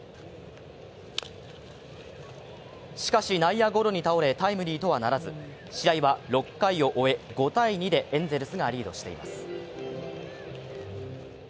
しかし内野ゴロに倒れタイムリーとはならず試合は６回を終え、５−２でエンゼルスがリードしています。